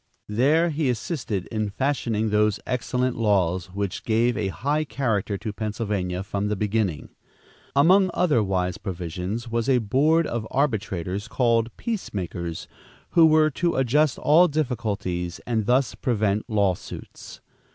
There he assisted in fashioning those excellent laws which gave a high character to Pennsylvania from the beginning. Among other wise provisions was a board of arbitrators called peace makers, who were to adjust all difficulties and thus prevent lawsuits.